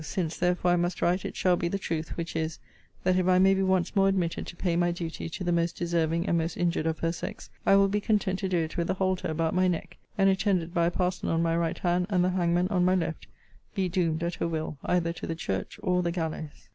Since, therefore, I must write, it shall be the truth; which is, that if I may be once more admitted to pay my duty to the most deserving and most injured of her sex, I will be content to do it with a halter about my neck; and, attended by a parson on my right hand, and the hangman on my left, be doomed, at her will, either to the church or the gallows.